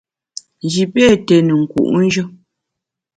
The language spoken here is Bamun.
Nji pé té ne nku’njù.